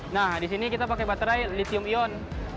nah di sini kita pakai baterai litium ion